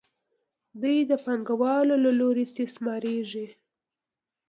دوی د پانګوالو له لوري استثمارېږي